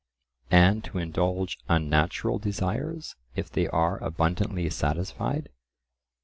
And to indulge unnatural desires, if they are abundantly satisfied?